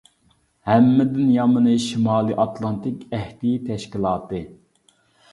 ھەممىدىن يامىنى شىمالىي ئاتلانتىك ئەھدى تەشكىلاتى.